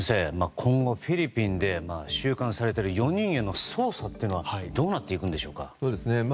今後、フィリピンで収監されている４人への捜査はどうなっていくんでしょうか？